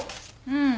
うん。